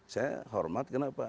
saya hormat kenapa